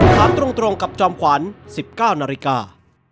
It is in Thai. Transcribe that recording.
ถามตรงกับจอมขวัญ๑๙นาฬิกา